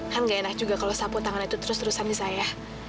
kan gak enak juga kalau sapu tangan itu terus terusan di saya